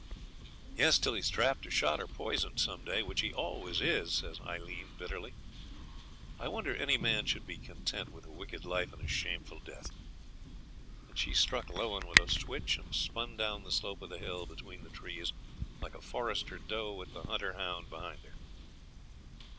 'Yes, till he's trapped or shot or poisoned some day, which he always is,' said Aileen bitterly. 'I wonder any man should be content with a wicked life and a shameful death.' And she struck Lowan with a switch, and spun down the slope of the hill between the trees like a forester doe with the hunter hound behind her.